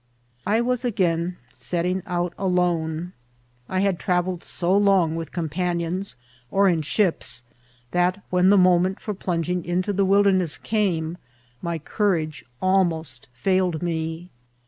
I was again setting out alone. I had travelled so long with companions or iA ships, that when the mo* WILD 8CBNBET. 377 ment for plunging into the wilderness csmey my cour age almost failed me.